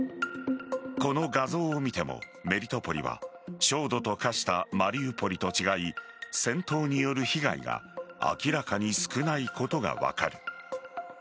この画像を見てもメリトポリは焦土と化したマリウポリと違い戦闘による被害が明らかに少ないことが分かる。